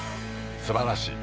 すばらしい。